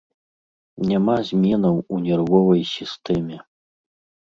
Няма зменаў у нервовай сістэме.